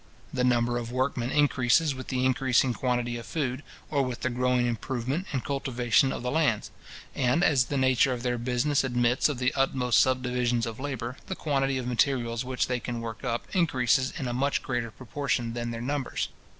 The number of workmen increases with the increasing quantity of food, or with the growing improvement and cultivation of the lands; and as the nature of their business admits of the utmost subdivisions of labour, the quantity of materials which they can work up, increases in a much greater proportion than their numbers.